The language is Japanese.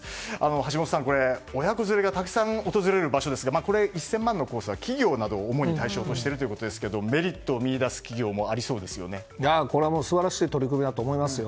橋下さん、親子連れがたくさん訪れる場所ですが１０００万円のコースは企業などを主に対象としているということですがメリットを見いだす企業もこれは素晴らしい取り組みだと思いますよ。